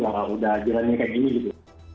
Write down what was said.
ini sudah jalanin kayak gini gitu